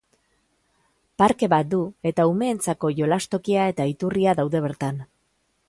Parke bat du, eta umeentzako jolastokia eta iturria daude bertan.